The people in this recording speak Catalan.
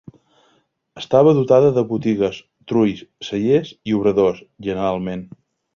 Estava dotada de botigues, trulls, cellers i obradors, generalment.